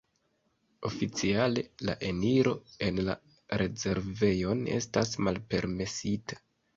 Oficiale la eniro en la rezervejon estas malpermesita.